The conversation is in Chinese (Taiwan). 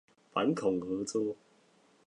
反恐合作